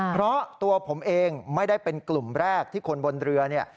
เพราะตัวผมเองไม่ได้เป็นกลุ่มแรกที่คนบนเรือเนี่ย